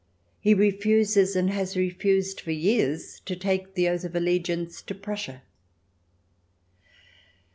He refuses, and has refused for years, to take the oath of allegiance to Prussia.